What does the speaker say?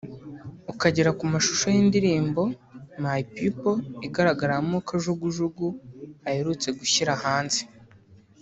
ukagera ku mashusho y’indirimbo ‘My People’ igaragaramo kajugujugu aherutse gushyira hanze